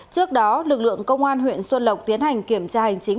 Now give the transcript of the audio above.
trước đó lực lượng công an huyện xuân lộc tiến hành kiểm tra hành chính